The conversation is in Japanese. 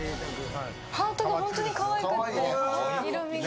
ハートが本当にかわいくて色みが。